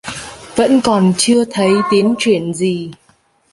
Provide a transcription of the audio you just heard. Vẫn còn chưa thấy tiến triển gì